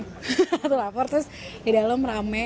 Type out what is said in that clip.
satu lapar terus di dalam ramai